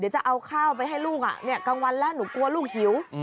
เดี๋ยวจะเอาข้าวไปให้ลูกกลางวันแล้วหนูกลัวลูกหิว